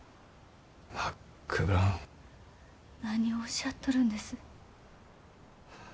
なにをおっしゃっとるんです？